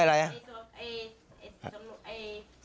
เอ้ยถนน